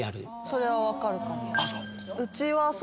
それは分かるかも。